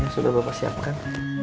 ya sudah bapak siapkan